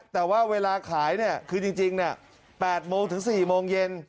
แต่ว่าเวลาขายคือจริงน่ะ๘โมงถึง๔โมงเย็น